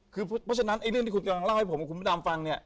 คือเพราะฉะนั้นเรื่องที่คุณกำลังเล่าให้ผมกับคุณพระดำฟังเนี่ย